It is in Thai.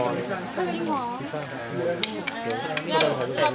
ต้องขึ้นตามได้